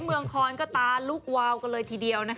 เมืองคอนก็ตาลุกวาวกันเลยทีเดียว